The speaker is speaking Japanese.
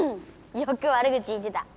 よくわる口言ってた。